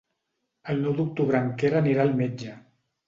El nou d'octubre en Quer anirà al metge.